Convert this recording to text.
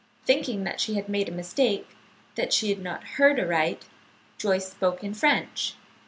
Thinking that she had made a mistake, that she had not heard aright, Joyce spoke in French.